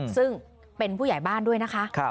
ซึ่งเป็นผู้ใหญ่บ้านด้วยนะคะ